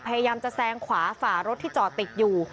พยายามจะแซงขวาฝ่ารถที่จอดติดอยู่